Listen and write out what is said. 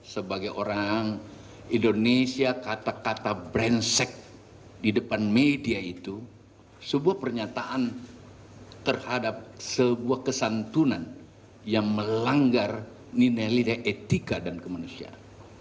sebagai orang indonesia kata kata brandseck di depan media itu sebuah pernyataan terhadap sebuah kesantunan yang melanggar nilai nilai etika dan kemanusiaan